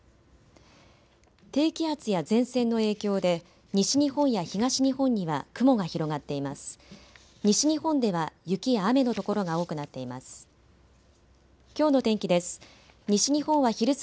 低気圧や前線の影響で西日本や東日本には雲が広がっています。